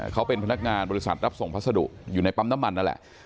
เขาเป็นพนักงานบริษัทรับส่งพัสดุอยู่ในปั๊มน้ำมันนั่นแหละ